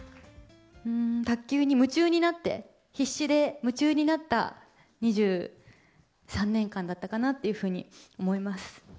卓球に夢中になって、必死で夢中になった２３年間だったかなっていうふうに思います。